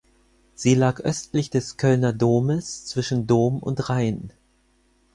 Sie lag östlich des Kölner Domes, zwischen Dom und Rhein.